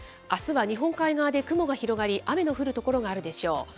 あすは日本海側で雲が広がり、雨の降る所があるでしょう。